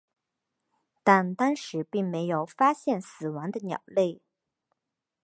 但当时并没发现死亡的鸟类。